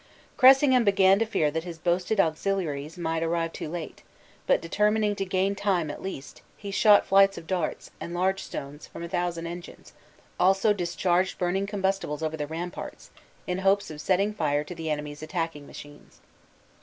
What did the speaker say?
Cressingham began to fear that his boasted auxiliaries might arrive too late; but, determining to gain time at least, he shot flights of darts, and large stones, from a thousand engines; also discharged burning combustibles over the ramparts, in hopes of setting fire to the enemy's attacking machines.